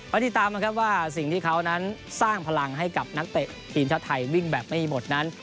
ติดตามนะครับว่าสิ่งที่เขานั้นสร้างพลังให้กับนักเตะทีมชาติไทยวิ่งแบบไม่มีหมดนั้น